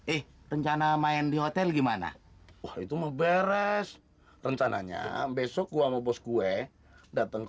eh rencana main di hotel gimana wah itu mau beres rencananya besok gua mau bos gue datang ke